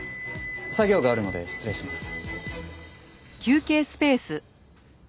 作業があるので失礼します。